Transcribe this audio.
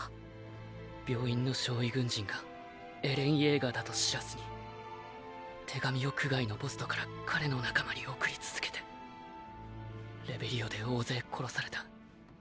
病院の傷痍軍人がエレン・イェーガーだと知らずに手紙を区外のポストから彼の仲間に送り続けてレベリオで大勢殺された。